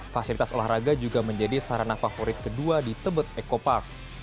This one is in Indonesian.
fasilitas olahraga juga menjadi sarana favorit kedua di tebet eco park